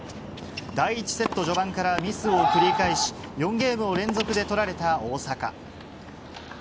第１セット序盤からミスを繰り返し、４ゲームを連続で取られた大坂。